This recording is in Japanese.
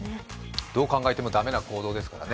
どう考えても駄目な行動ですからね。